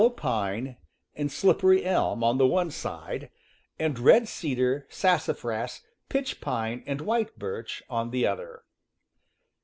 84 CAMPING AND WOODCRAFT pine, and slippery elm, on the one side, and red cedar, sassafras, pitch pine and white birch, on the other.